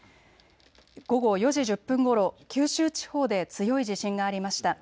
午後４時１０分ごろ、九州地方で強い地震がありました。